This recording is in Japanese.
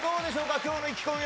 今日の意気込みは。